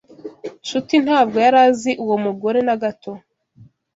Nshuti ntabwo yari azi uwo mugore na gato.